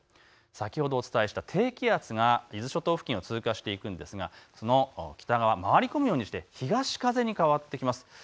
先ほどお伝えした低気圧が伊豆諸島付近を通過していくのですがその北側を回り込むようにして東風に変わってきます。